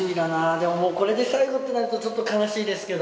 でも、これで最後となると、ちょっと悲しいですけど。